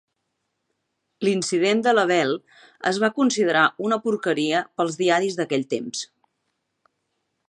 L"incident de Lavelle es va considerar una porqueria pels diaris d"aquell temps.